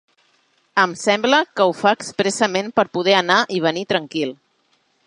Em sembla que ho fa expressament per poder anar i venir tranquil.